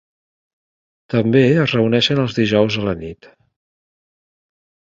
També es reuneixen els dijous a la nit.